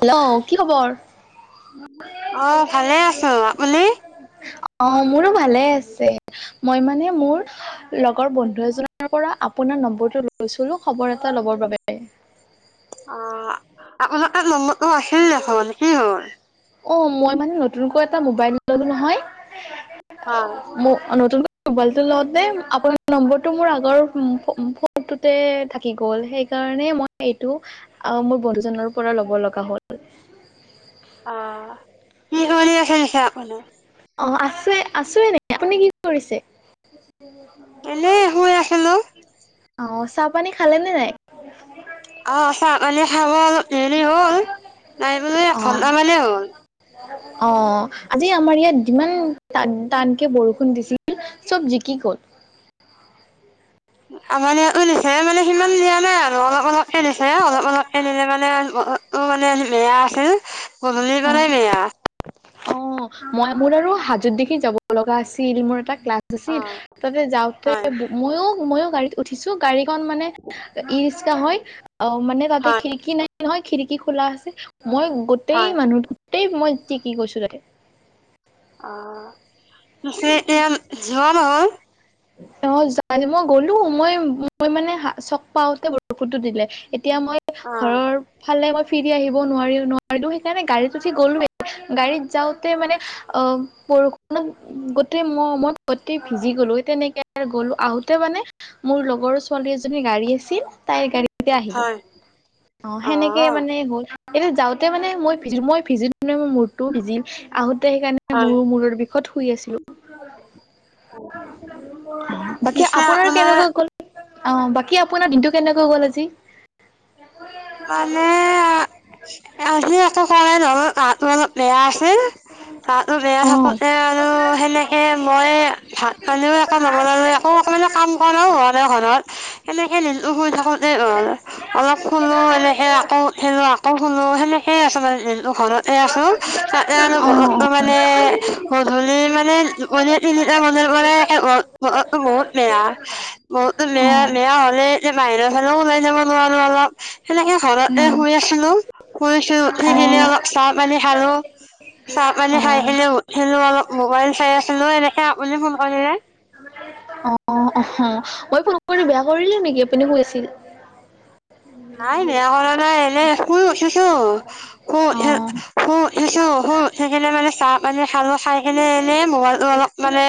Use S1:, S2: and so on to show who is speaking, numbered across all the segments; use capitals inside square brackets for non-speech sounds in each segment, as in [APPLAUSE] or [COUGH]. S1: Hello কি খবৰ?
S2: অহ ভালে আছো আপুনি
S1: অ মোৰো ভালে আছে মই মানে মোৰ লগৰ বন্ধু এজনৰ পৰা আপোনাৰ নম্বৰটো লৈছিলো [INAUDIBLE] খবৰ এটা ল'বৰ বাবে উ [INAUDIBLE]
S2: আ আপোনালগত নম্বৰটো আছিল দেখোন কি হয
S1: অ', মই মানে নতুনকৈ এটা মোবাইল ললো নহয়।
S2: হয়,
S1: ম নতুনকৈ মোবাইলটো লওঁতে আপোনাৰ নম্বৰটো মোৰ আগৰ ফোনটোতে থাকি গ'ল সেইকাৰণে মই এইটো মোৰ বন্ধুৰ চি নৰ পৰা ল'ব লগা হ'ল।
S2: আহ কি [UNINTELLIGIBLE]
S1: অঁ, আছোঁয়ে, আছোয়ে নেকি? আপুনি কি কৰিছে?
S2: এনেই শুই আছিলো,
S1: [UNINTELLIGIBLE] অ', চাহপানী খালে নে নাই?
S2: অ', চাহপানী খালো অলপ দেৰি হ'ল, [UNINTELLIGIBLE]
S1: অ' অ', আজি আমাৰ ইয়াত যিমান টান টানকে বৰষুণ দিছিল, চব জিকি গ'ল।
S2: আমাৰ ইয়াতো দিছে মানে সিমান দিয়া নাই আৰু অলপ অলপকে দিছে অলপ অলপ দিলে মানে অ', বতৰটো মানে বেয়া আছিল। গধূলিৰ
S1: অ',
S2: পৰাই বেয়া।
S1: অ', মই মোৰ আৰু হাজত দেখি যাব লগা আছিল মোৰ এটা ক্লাছ আছিল
S2: অ',
S1: তাতে যাওঁতে
S2: হয়,
S1: মইয়ো ময়ো গাড়ীত উঠিছোঁ। খন মানে ই ৰিক্সা হৈ অ', মানে তাতে
S2: হয়,
S1: খিৰিকি নাই নহয়। খিৰিকী খোলা আছিল। মই গোটেই
S2: হয়,
S1: মানুহটো টেই মই জিকি তি গৈছো তাতে।
S2: অ', [UNINTELLIGIBLE]
S1: অ', যাই মই গলো মই মই মানে হা চক পাওতে বৰষূণটো দিলে। এতিয়া মই
S2: অ',
S1: ঘৰৰ ফালে মই ফিৰি আহিব নোৱাৰি নোৱাৰিলো সেইকাৰণে গাড়ীত উঠি গ'লোয়ে গাড়ীত যাওঁতে মানে অ', বৰষুণত গোট ম মই গোতটই ভিজি গ'লো তেনেকে গ'লো আহোতে মানে মোৰ লগৰ ছোৱালী এজনী গাড়ী আছিল তাইৰ গাড়ী এতিয়া আহিলো
S2: হয়।
S1: অ', সেনেকে মানে হ'ল এতিয়া যাওঁতে মানে মই ভি মই ভিজিলে মই মূৰটো ভিজিল আহো সেইকাৰণে
S2: হয়,
S1: মোৰো মূৰৰ বিষত ছিলোঁ বাকী আপোনাৰ কেনেকুৱা গল? অ', বাকী আপোনাৰ দিনটো, কেনেকোৱা গ'ল আজি?
S2: মানে, আ আজি একো [UNINTELLIGIBLE] বেয়া আছিল, গাটো বেয়া
S1: অ'
S2: থাকোঁতে আৰু সেনেকে মই ভাত পানীও একো নবনালো, আকৌ অকণমান কাম বনও কৰাও নাই ঘৰত, সেনেকে নিলো শুই থাকোঁতে। [UNINTELLIGIBLE] অলপ শুলো, এনেকে আকৌ শু, আকৌ শুলো সেনেকেইে আছো মানে, ঘৰতে আছো। তাতে আৰু
S1: অ'
S2: বহতো মানে গধূলি মানে। [UNINTELLIGIBLE] মন্দিৰ পৰা [UNINTELLIGIBLE] বহুত বেয়া, বহুতো বেয়া,
S1: অ'
S2: বেয়া হলে, এতিয়া বাহিৰৰ ফালেও ওলাই যাব নোৱাৰো অলপ সেনেকে ঘৰতে শুই আছিলো। শুইছিলো সি আহিলে‌
S1: অ'
S2: চাহ পানী চাহপানী খাই কিনে উঠিলো, অলপ মোবাইল চাই আছিলো, এনেকে বুলি ফোন কৰিলে।
S1: অ', অ', অহ। মই ফোন‌ কৰি বেয়া কৰিলো নেকি? আপুনি শুই আছিল।
S2: নাই বেয়া কৰা নাই, এনে শুই উঠিছো। শুই উঠি
S1: অ'
S2: শুই উঠিছো। শুই উঠি কেনে মানে চাহ পানী খালো, খাই কিনে এনে ম'বাইলটো অলপ মানে,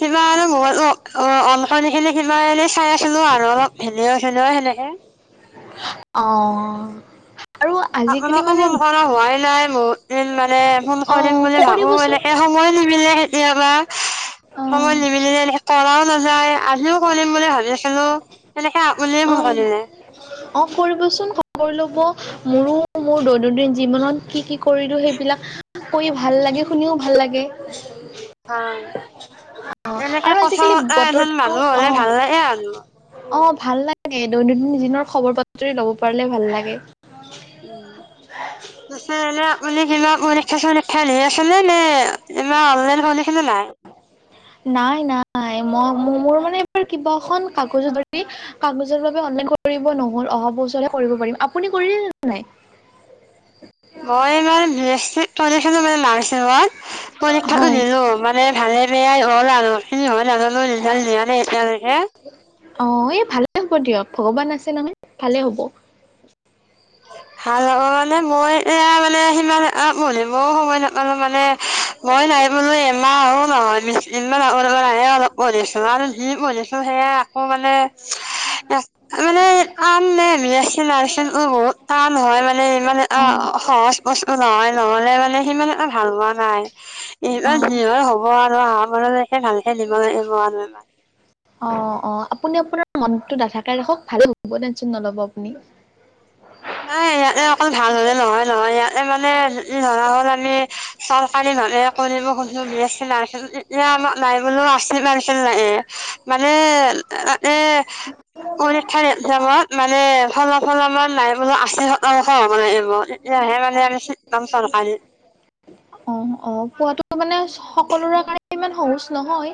S2: কিমানো ম'বাইলো অ', অন‌ কৰি সেই কিবা এনে চাই আছিলো আৰু, ভিডিঅ' চিডিঅ' সেনেকে।
S1: অ'। আৰু আজিকালি
S2: আপোনালোকে
S1: মানে
S2: ফোন কৰা হোৱাই নাই। বহুত দিন এ, ফোন কৰিম
S1: অ'
S2: বুলি ভাবো,
S1: কৰিবচোন
S2: এনেকে সময় নিমিলে। কেতিয়াবা
S1: অ'
S2: সময় নিমিলিনে হে কৰাও নাযায়, আজিও কৰিম বুলি ভাবি আছিলো।
S1: অ', অ' কৰিবচোন, ক'ল কৰি ল'ব। মোৰো মোৰ দৈনন্দিন জীৱনত কি কি কৰিলো সেইবিলাক কৈও ভাল লাগে, শুনিও ভাল লাগে।
S2: হয়,
S1: অ'
S2: এনেকে
S1: আৰু
S2: কথা
S1: আজিকালি
S2: বতা এজন
S1: বতৰটো
S2: মানুহ হলে
S1: অ'
S2: ভাল লাগে আৰু।
S1: অ', ভাল লাগে, দৈনন্দিন দিনৰ খবৰ বাতৰি ল'ব পাৰিলে ভাল লাগে।
S2: [UNINTELLIGIBLE] [UNINTELLIGIBLE]
S1: নাই, নাই মই মোৰ মানে এবাৰ কিবা খন কাগজ দৰি, কাগজৰ বাবে অনলাইন কৰিব নহ'ল, অহা বছৰ কৰিব পাৰিম। আপুনি কৰিলে নাই?
S2: মই ইমান। [UNINTELLIGIBLE] পৰীক্ষাটো দিলো। মানে ভালে
S1: হয়
S2: বেয়াই হ'ল আৰু, মই নাজানো। ৰিজাল্ট দিয়া নাই এতিয়ালৈকে।
S1: অ', এই ভালেই হ'ব দিয়ক। ভগৱান আছে নহয়, ভালে হ'ব।
S2: ভাল হ'ব মানে, মই এয়া মানে সিমান [UNINTELLIGIBLE] মই সময় নাপালো মানে মই নাইবলৈ এমাহো নহয়। অলপ পঢ়িছো আৰু যি পঢ়িছো সেয়া একো মানে, এচ মানে কাম নাই মানে আ নহয় মানে ইমান এ আ
S1: অ',
S2: সহজ বস্তু নহয় ন। নলে মানে সিমান এটা ভাল হোৱা নাই। এইবাৰ
S1: অ',
S2: যি হয় হ'ব আৰু অহাবাৰলে কে ভালকে দিব লাগিব আৰু এবাৰ।
S1: অ' অ' আপুনি আপোনাৰ মনটো ডাঠাকে ৰাখক ভালে হ'ব টেনচন নল'ব আপুনি।
S2: এ মানে যদি ধৰা হ'ল আমি চৰকাৰী ভাৱে কৰিব খুজিছো বি এচ চি নাৰ্চিং তেতিয়া আমাক নাই বোলো আচি পাৰ্চেণ্ট লাগে। মানে-মানে পৰীক্ষাৰ একজামত মানে ফলা ফলাবই নাই। [UNINTELLIGIBLE] তিয়াহে মানে আমি চিত পাম চৰকাৰীত।
S1: অ', অ', পোৱাটো মানে সকলোৰে কাৰণে ইমান সহজ নহয়।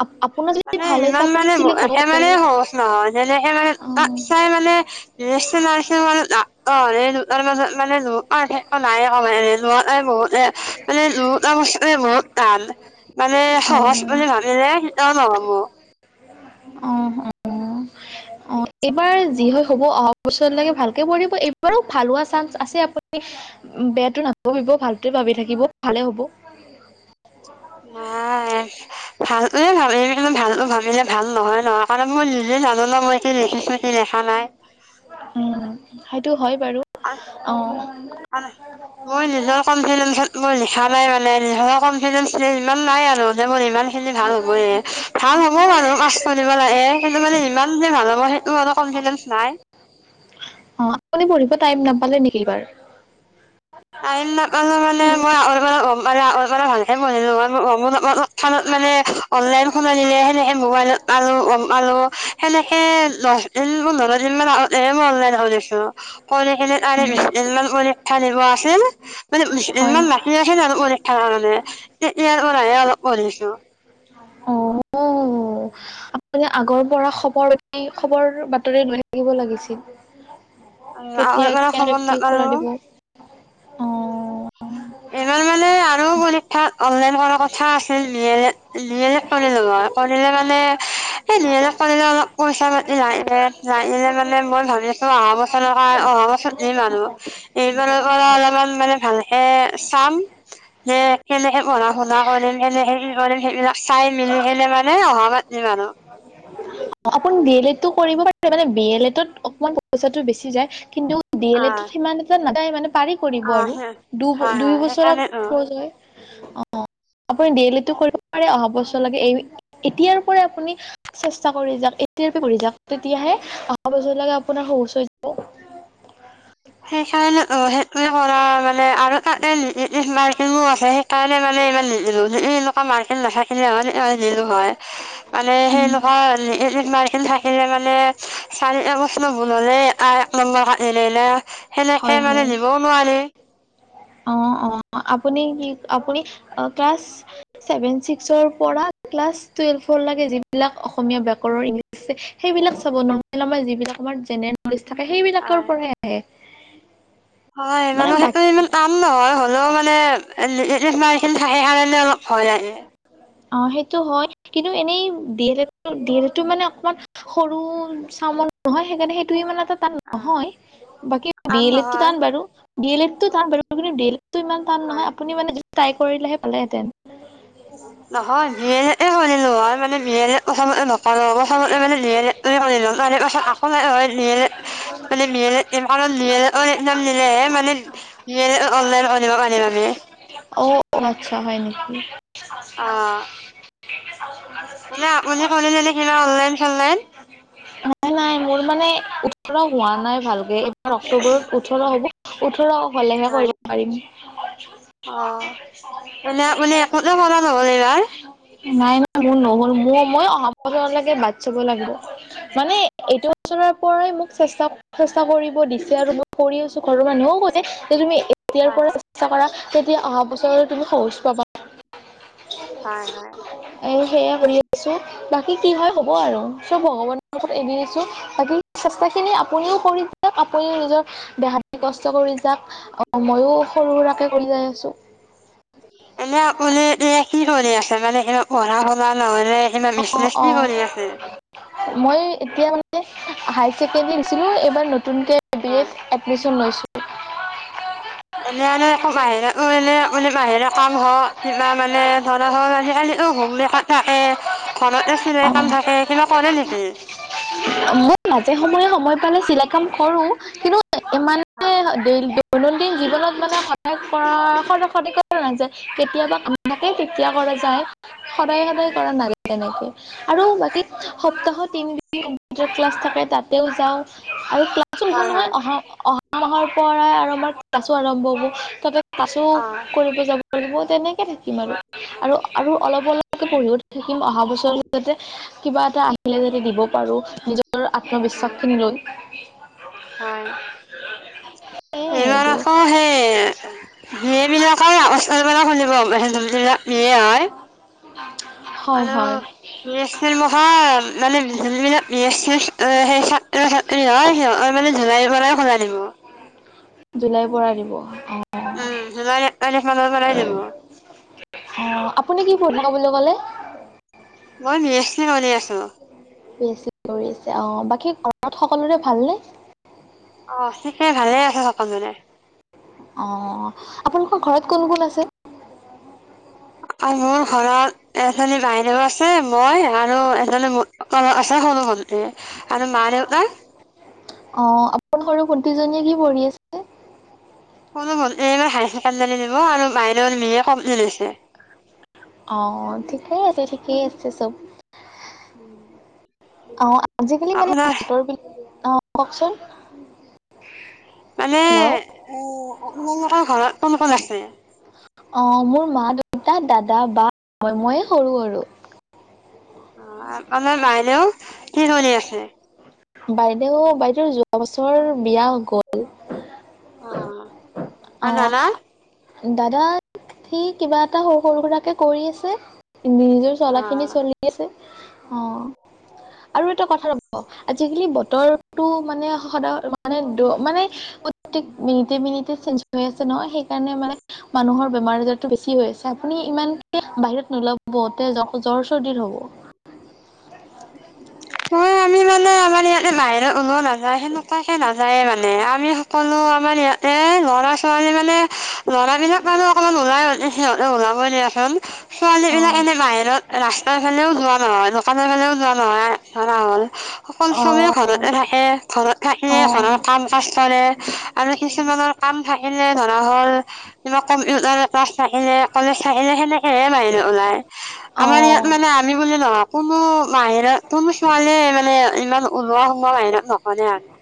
S1: আপ, আপ।
S2: মানে ইমান মানে একেবাৰে সহজ নহয় যেনেকে মানে আক
S1: অ'।
S2: চাই মানে ৰেচ মানে
S1: হয়
S2: সহজ
S1: হয়
S2: বুলি ভাবিলে অ'।
S1: অ অ অ' এইবাৰ যি হয় হব অহা বছৰলেকে ভালকে পঢ়িব এইবাৰো ভাল হোৱা চান্স আছে আপুনি বেয়াটো নাভাবিব ভালটোৱে ভাবি থাকিব ভালে হ'ব।
S2: নাই। ভালে ভাবে কিন্তু ভালটো ভাবিলে ভাল নহয়। নহয় কাৰণে মই নিজে জানো ন মই কি লিখিছো কি লিখা নাই।
S1: উম সেইটো হয় বাৰু অ
S2: মই নিজৰ কনফিডেঞ্চত মই লিখা নাই মানে ধৰক কনফিডেঞ্চ যে ইমান নাই আৰু যে মোৰ ইমান খিনি ভাল হ'বয়ে, ভাল হ'ব বাৰু আচ কৰিব লাগে কিন্তু মানে ইমান যে ভাল হ'ব সেটো আৰু কনফিডেঞ্চ নাই।
S1: অ' আপুনি পঢ়িব টাইম নাপালে নেকি বাৰু?
S2: আইলা [UNINTELLIGIBLE] মানে আগৰ পৰাই ভালকে পঢ়িলো হয় [UNINTELLIGIBLE] [UNINTELLIGIBLE] এ। [UNINTELLIGIBLE] হেকাৱণে
S1: উম
S2: তেতিয়াৰ
S1: হয়
S2: পৰাহে অলপ পঢ়িছো।
S1: অ'। আপ মানে আগৰ পৰা খবৰ বাত ৰি-খবৰ বাতৰি লৈ থাকিব লাগিছিল।
S2: আ হৈ
S1: কেতিয়া
S2: কাৰ
S1: কেনেকে
S2: খবৰ
S1: কি
S2: দ বো
S1: খোলা দিব অ
S2: [UNINTELLIGIBLE] এইবাৰ মানে আৰু পৰিখা অনলাইন কৰা কঠা আছিল নিলে নিলে [INAUDIBLE] কনিলো হয় কনিলে মানে এই নিহে কনিলে অলপ পইচা মাতি নাইে নাগিলে মানে মই ভাবি আছো আহা বছৰৰ কাৰ অহা বছৰ নি মানুহ এইকাৰ কৰা অলপমান ভালকে চাম যে কেনেকে পঢ়া শুনা কৰিলে
S1: আপুনি বি এল এডটো কৰিব পাৰে মানে বি এল এডত অকমান পইচাটো বেছি যায় কিন্তু ডি এল
S2: অ
S1: এ তত সিমান এটা ন তাই মানে পাৰি কৰিব
S2: অ
S1: আৰু
S2: সেই
S1: দু
S2: হয়
S1: দুই
S2: হয়
S1: বছৰ অ
S2: সেইকাৰণেতো
S1: আপুনি ডি এল এ কৰিব পাৰে অহা বছৰলৈকে এই এতিয়াৰ পৰা আপুনি এ য তেতিয়াহে অহা বজালকে আপোনাৰ শচ যাব
S2: সেইকাৰণে অ সেইটো কৰা মানে আৰু তাতে মাৰ্কো আছে সেইকাৰণে মানে ইমান মাৰ নাথাকিলে হ'লে হয় মানে সেই লোকৰ মাৰ আহিলে মানে চাৰিটাগষ্ন বনালে নেনেলে [UNINTELLIGIBLE] সেনেকে
S1: হয়
S2: মানে
S1: হয়
S2: দিবও নোৱাৰি
S1: অ অ আপুনি কি আপুনি ক্লাছ চেভেন চিক্সৰ পৰা ক্লাছ টুয়েলভৰ লগিন যিবিলাক অসমীয়া ব্যাকৰণ ইংলিছ আছে সেইবিলাক চাবমাৰ যিলাক আমাৰ জেনেৰেল থাকে সেইবিলাকৰ
S2: হয়।
S1: পৰাই আহে
S2: হয়
S1: মানে
S2: মানহ সেইটো
S1: বাকী
S2: ইমান নহয় হ'লেও মানে মাৰখিনি থাকে কাৰণে অলপ ভয় লাগে
S1: অ সেইটো হয় কিন্তু এনেই ডি এল ডি এলটো মানে অকমান সৰু চাওন নহয় সেইকাৰণে সেইটো মানে তাত নহয় বাকী বি
S2: টান
S1: এল এতো
S2: নহয়।
S1: টান বাৰু ডি এল এড টো তাৰ বাৰু আপুনি ডি এল টো ইমান টান নহয়
S2: হয়।
S1: আপুনি মানে [UNINTELLIGIBLE] ট্ৰাই কৰিলেহে পালেহেঁতেন৷
S2: উ [UNINTELLIGIBLE] নহয় বিয় শুনিলো হয় মানে বিয় নকো মানেম শনিল মানে পত আকৌ নাই মানেলেহে মানে অনল আম আমি [UNINTELLIGIBLE]
S1: অ আচ্ছা হয় নেকি?
S2: অ মানে আপুনি [UNINTELLIGIBLE] কিবা অনলাইন চনলাইন৷
S1: নাই নাই মোৰ মানে ওঠৰ হোৱা নাই ভাল এইবাৰ অক্টোবৰত ওঠৰ হ'ব। ওঠৰ। হলে হে
S2: হয়।
S1: মই কৰিব পাৰিম।
S2: অ [UNINTELLIGIBLE]
S1: [INAUDIBLE] নাই নাই মোৰ নহল মোৰ মই অহাবছৰ লৈকে বাট চাব লাগিব৷মানে এইটো বছৰৰ পৰাই মোক চেষ্টা চেষ্টা কৰিব দিছে আৰু মই কৰি আছো ঘৰৰ মানুহেও কৈছে যে তুমি পিয়াৰ
S2: হয়,
S1: কৰাৰ চেষ্টা কৰা। তেতিয়া অহা বছৰলৈ তুমি সহজ পাবা।
S2: হয় হয়।
S1: সেইয়াই কৰি আছো৷বাকী কি হয় হ'ব আৰু৷ চব ভগৱানৰ মুখত এৰি দিছো, বাকী চেষ্টা খিনি আপুনিও কৰি যাওক৷আপুনিও নিজৰ দেহাটো কষ্ট কৰি যাওক আহ মইও সৰু সুৰাকে কৰি যাই আছো।
S2: এনে আপুনি [UNINTELLIGIBLE] কি কৰি আছে মানে এও পঢ়াশুনা নহয় [UNINTELLIGIBLE] এ সেনে
S1: অ
S2: বিজনেচ
S1: অ
S2: কি কৰি আছে?
S1: মই এতিয়া মানে হায়াৰ ছেকেণ্ডাৰী দিছিলোঁ এইবাৰ নতু নতুনকৈ বি এত এডমিশ্যন লৈছোঁ।
S2: মানে আৰু একো বাহিৰত মানে মানে বাহিৰে কাম হওক কিবা মানে ধৰা হওক আজিকালি অ সবৰ ঘৰত হোম মেকাৰ থাকে। ঘৰতে চিলাইৰ কাম
S1: লৈছো
S2: থাকে, কিবা কৰে নেকি?
S1: মই মাজে সময়ে সময় পালে চিলাই কাম কৰো, কিন্তু ইমানে
S2: হয়,
S1: [UNINTELLIGIBLE] দিনটো দৈনন্দিন জীৱনত মানে সদায় কৰা সদায় সদায় কৰা নাযায় কেতিয়াবা ক থাকে তেতিয়া কৰা যায় সদায় সদায় কৰা নাযায়। তেনেকে আৰু বাকী সপ্তাহত তিনি দিন ক্লাছ থাকে তাতেও যাওঁ৷ আৰু ক্লাছো ভুল
S2: হয়,
S1: নহয়
S2: হয়।
S1: অহা অহা মাহৰ পৰাই আৰু আমাৰ ক্লাছো আৰম্ভ হ'ব। তাতে আছোঁ।
S2: অ',
S1: কৰিব যাব কৰিব তেনেকে থাকিম আৰু আৰু, আৰু অলপ অলপকে পঢ়িও থাকিম, অহা বছৰৰ পিছতে কিবা এটা আহিলে যদি দিব পাৰোঁ নিজৰ ৰ
S2: হয়,
S1: আত্মবিশ্বাসখিনি লৈ।
S2: হয়।
S1: সেয়াই
S2: এইবাৰ
S1: আৰু
S2: আকৌ, সেই বি এ বিলাকৰ [UNINTELLIGIBLE]
S1: [INAUDIBLE]
S2: আৰু
S1: হয়
S2: বি এছ চি ৰ নহয় মানে, যোনবিলাক বি এছ চি ৰ সেই ছাত্ৰ ছাত্ৰী হয়। সিহঁতক মানে, জুলাই মাহত খোলা দিব।
S1: জুলাই পৰা দিব।
S2: উম! জুলাই এক তাৰিখ মানৰ পৰা দিব।
S1: ক'ত থাকা বুলি ক'লে?
S2: মই বি এছ চি কৰি আছোঁ।
S1: বি এছ চি কৰিছে। অ'! বাকী ঘৰত সকলোৰে ভালনে?
S2: অ'! সে সেই ভালে আছে সকলোৰে।
S1: অ'! আপোনালোকৰ ঘৰত কোন কোন আছে?
S2: মোৰ ঘৰত এজনী বাইদেউ আ আছে। মই আৰু এজনী [UNINTELLIGIBLE] তাই সৰু ভন্তি আৰু মা-‌‌ দেউতা।
S1: অ'! আপোনাৰ সৰু ভটিজনীয়ে কি পঢ়ি আছে?
S2: সৰু ভন্তি এইবাৰ হায়াৰ ছেকেণ্ডাৰী দিব আৰু বাইদৰ বি এ কম্পলিত হৈছে।
S1: অ'! ঠিকেই আছে, ঠিকেই আছে চব।
S2: উম!
S1: অ'! আজিকালি মানে, মটৰ বিলাক অ'! কওঁকচোন?
S2: মানে, এ, আপোনালোকৰ ঘৰত কোন কোন আছে?
S1: অ'! মোৰ মা -দেউতা, দাদা, বা, মইয়ে সৰু আৰু।
S2: অ'! আপোনাৰ বাইদেউ? কি চলি আছে?
S1: বাইদেউ, বাইদেউ যোৱা বছৰ বিয়া গ'ল।
S2: অ'! অ'! [UNINTELLIGIBLE]
S1: দাদা, সি কিবা এটা সৰু, সৰু, সুৰাকে কৰি আছে। নিজৰ চলা খিনি
S2: অ'।
S1: চলি আছে অ' আৰু এটা কথা ৰব আজিকালি বতৰটো মানে সদায় মানে মানে প্ৰতেক মিনিটে মিনিট চেঞ্জ হৈ আছে নহয় সেইকাৰণে মানে মানুহৰ বেমাৰ আজাৰতো বেছি হৈ আছে আপুনি ইমান বাহিৰত নোলাব তে জ জ্বৰ চৰ্দি হ'ব
S2: ম আমি মানে আমাৰ ইয়াতে বাহিৰ ওও নাযায় সেনেকুৱাকে নাজায় যায় মানে আমি সকলো আমাৰ ইয়াতে ল'ৰা ছোৱালী মানে লৰাবলাক মানে অকমান ওলাই সিহঁতে ওলাবই দিয়াচোন [INAUDIBLE] ছোৱালী
S1: অ
S2: বিলাক এনে বাহিৰত ৰাস্তাৰ ফালেও যোৱা নহয় দোকানৰ ফালেও যোৱা মই [INAUDIBLE] ধৰা হল সকল চমে ঘৰতে
S1: অ
S2: থাকে ঘৰত থাকিলে ঘৰৰ কাম কাজ কৰে আৰু কিছুমানৰ কাম থাকিলে ধৰা হলিব কম্পিউটাৰ ক্লাছ থাকিলে কলেজ থাকিলে সেনেকেহে বাহিৰৰে ওলাই
S1: অ
S2: আমাৰ ইয়াত মানে আমি বুলি নহওক ক মো বাইৰে তোৰ ছোৱালীয়ে মানে ইমান ওলোৱা সোমোৱা বাহিৰত নহৰে আৰু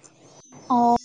S1: অ'